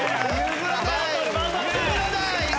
譲らない！